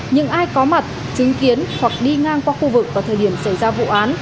những ai có mặt chứng kiến hoặc đi ngang qua khu vực vào thời điểm xảy ra vụ án